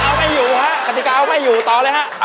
โหเอาไปอยู่ฮะคติกาเอาไปอยู่ต่อเลยฮะ